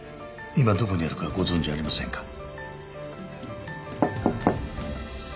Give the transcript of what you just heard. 今どこにあるかご存じありませんか？